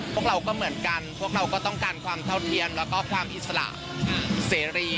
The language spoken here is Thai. พวกเราก็เหมือนกันพวกเราก็ต้องการความเท่าเทียมแล้วก็ความอิสระเสรี